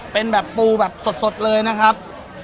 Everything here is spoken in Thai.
เป็นแบบปูแบบสดเลยนะครับ